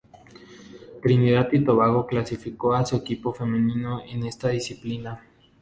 Trinidad y Tobago clasificó a su equipo femenino en esta disciplina.